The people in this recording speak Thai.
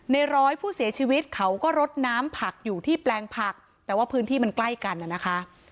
ในร้อยผู้เสียชีวิตเขาก็รดน้ำผักอยู่ที่แปลงผักแต่ว่าพื้นที่มันใกล้กันน่ะนะคะ